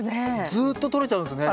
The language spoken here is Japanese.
ずっととれちゃうんですね。